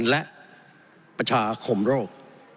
และประชาคมโรค